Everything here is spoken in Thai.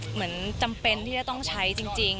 เหมือนจำเป็นที่จะต้องใช้จริง